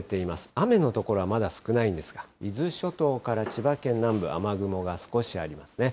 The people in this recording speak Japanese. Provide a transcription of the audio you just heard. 雨の所はまだ少ないんですが、伊豆諸島から千葉県南部、雨雲が少しありますね。